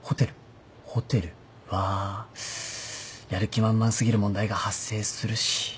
ホテルはやる気満々過ぎる問題が発生するし。